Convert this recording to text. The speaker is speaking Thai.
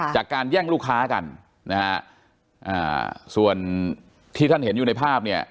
จากการแย่งลูกค้ากันนะฮะอ่าส่วนที่ท่านเห็นอยู่ในภาพเนี่ย